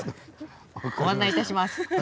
ご案内いたします。